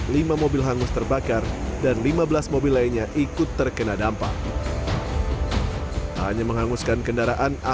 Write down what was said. lima mobil hangus terbakar dan lima belas mobil lainnya ikut terkena dampak hanya menghanguskan kendaraan